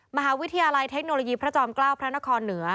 มหาวิทยาลัยเทคโนโลยีพระจอมเกล้าพระนครเหนือ